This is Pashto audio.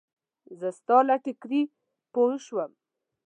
زه ستا له ټیکري پوی شوم.